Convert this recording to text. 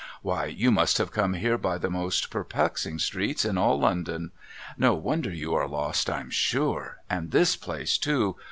Why you must have come here by the most perplexing streets in all London. No wonder you are lost, I'm sure. And this place too